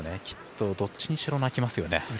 きっと、どっちにしろ泣きますよね。